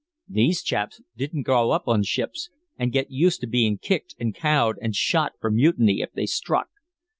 These chaps didn't grow up on ships and get used to being kicked and cowed and shot for mutiny if they struck.